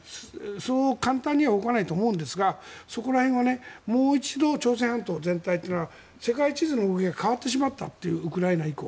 そう簡単には動かないと思うんですがそこら辺はもう一度朝鮮半島全体というのは世界地図の動きが変わってしまったというウクライナ以降。